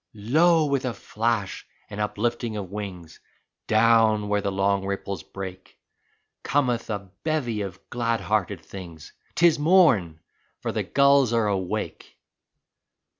Lo ! with a flash and uplifting of wings Down where the long ripples break, Cometh a bevy of glad hearted things, *Tis morn, for the gulls are awake.